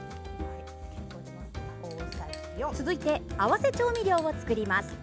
続いて、合わせ調味料を作ります。